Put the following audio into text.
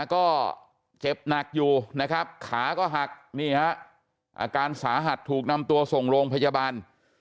ก็เจ็บหนักอยู่นะครับขาก็หักนี่ฮะอาการสาหัสถูกนำตัวส่งโรงพยาบาล